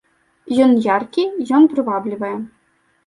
Ён яркі, ён прываблівае.